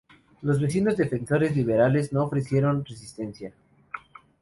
Los vecinos, defensores liberales, no ofrecieron resistencia.